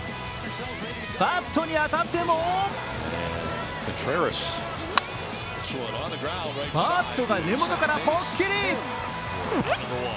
バットに当たってもバットが根元からぽっきり。